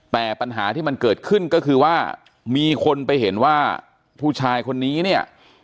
แต่ปัญหาที่มันเกิดขึ้นก็คือว่ามีคนไปเห็นว่าผู้ชายคนนี้เนี่ย